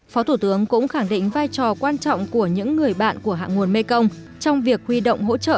phó thủ tướng cũng khẳng định vai trò quan trọng của những người bạn của hạ nguồn mekong trong việc huy động hỗ trợ